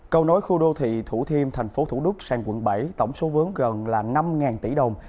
câu nói khu đô thị thủ thiêm thành phố thủ đức sang quận bảy tổng số vớn gần là năm tỷ đồng